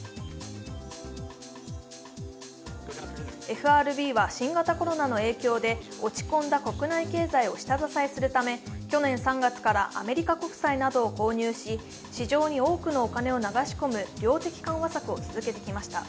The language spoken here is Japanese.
ＦＲＢは新型コロナの影響で落ち込んだ国内経済を下支えするため、去年３月からアメリカ国債などを購入し、市場に多くの金を流し込む量的緩和策を続けてきました。